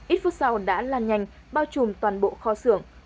ít phút sau đã lan nhanh bao trùm toàn bộ kho xưởng